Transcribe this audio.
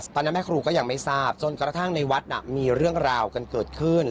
แม่ครูก็ยังไม่ทราบจนกระทั่งในวัดน่ะมีเรื่องราวกันเกิดขึ้น